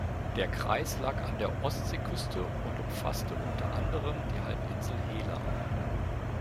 Der Kreis lag an der Ostseeküste und umfasste unter anderem die Halbinsel Hela.